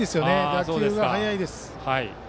打球が速いです。